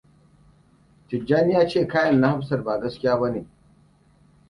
Tijjani ya ce kayan na Hafsat ba gaskiya ba ne.